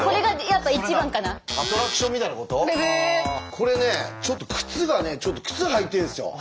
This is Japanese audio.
これねちょっと靴がねちょっと靴履いてるんですよ。